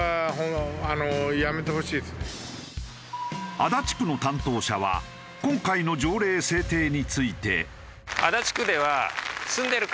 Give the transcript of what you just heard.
足立区の担当者は今回の条例制定について。